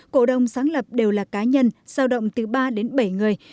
cổ đông sáng lập đều là cá nhân giao động từ ba đến bảy người